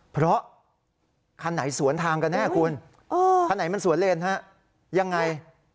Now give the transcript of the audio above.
เพราะคันไหนสวนทางกันแน่คุณคันไหนมันสวนเลนฮะยังไง